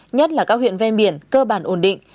nhất là các huyện ven biển cơ bản ổn định